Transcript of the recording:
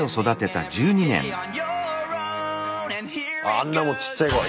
あんなもうちっちゃいころ。